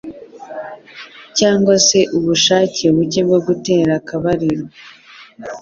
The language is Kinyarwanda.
cyangwa se ubushake buke bwo gutera akabariro